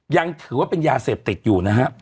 ยังถือว่าเป็นยาเสพติดอยู่นะฮะ